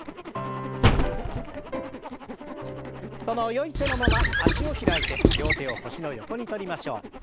そのよい姿勢のまま脚を開いて両手を腰の横にとりましょう。